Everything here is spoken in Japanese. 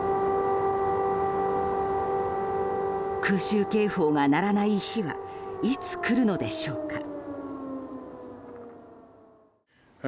空襲警報が鳴らない日はいつ来るのでしょうか。